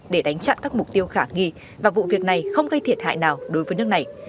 để đánh chặn các mục tiêu khả nghi và vụ việc này không gây thiệt hại nào đối với nước này